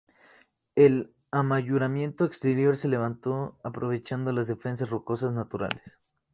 El amurallamiento exterior se levantó aprovechando las defensas rocosas naturales.